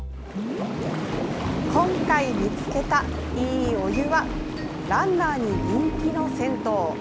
今回見つけた、いいお湯はランナーに人気の銭湯。